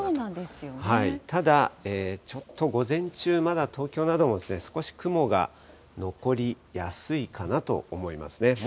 ただ、ちょっと午前中、まだ東京なども、少し雲が残りやすいかなと思いますね。